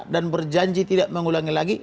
dan berjanji tidak mengulangi lagi